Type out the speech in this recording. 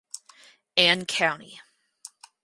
Anne County.